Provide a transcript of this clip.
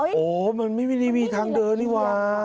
โหมันไม่ได้มีทางเดินอีกว้า